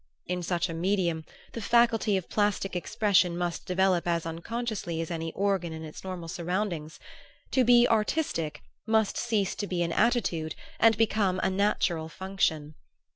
In such a medium the faculty of plastic expression must develop as unconsciously as any organ in its normal surroundings; to be "artistic" must cease to be an attitude and become a natural function.